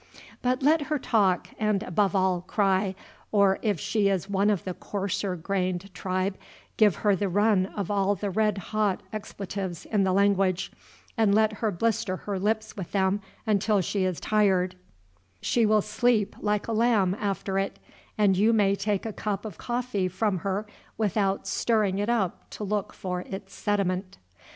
But let her talk, and, above all, cry, or, if she is one of the coarser grained tribe, give her the run of all the red hot expletives in the language, and let her blister her lips with them until she is tired, she will sleep like a lamb after it, and you may take a cup of coffee from her without stirring it up to look for its sediment.